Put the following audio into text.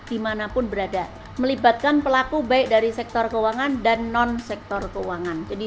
dimanapun berada melibatkan pelaku baik dari sektor keuangan dan non sektor keuangan jadi